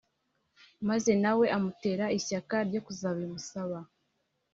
maze na we amutera ishyaka ryo kuzabimusaba.